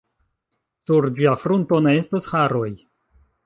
Sur ĝia frunto ne estas haroj.